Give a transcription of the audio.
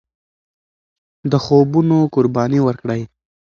د خوبونو قرباني ورکړئ.